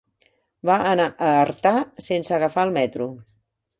Va anar a Artà sense agafar el metro.